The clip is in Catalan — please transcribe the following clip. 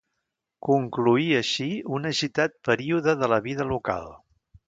Concloïa així un agitat període de la vida local.